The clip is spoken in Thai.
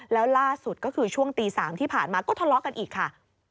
แล้วล่าสุดก็คือช่วงตี๓ที่ผ่านมาก็ทะเลาะกันอีกค่ะ